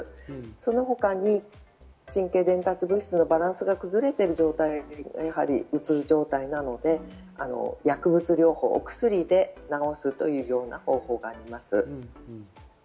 その他に神経伝達物質のバランスが崩れている状態がうつ状態なので、薬物療法、お薬で治すというような方法があります。